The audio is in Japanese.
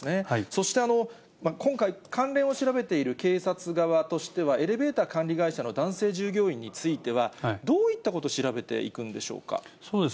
そして、今回、関連を調べている警察側としては、エレベーター管理会社の男性従業員については、どういったことを調べていくんでしょうか。